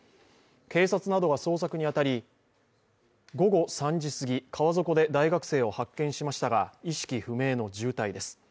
警察などが捜索に当たり午後３時すぎ、川底で男子大学生を発見しましたが意識不明の重体です。